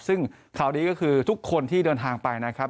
ซึ่งข่าวนี้ก็คือทุกคนที่เดินทางไปนะครับ